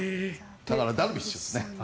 だから、ダルビッシュですね。